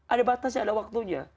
ada batasnya ada waktunya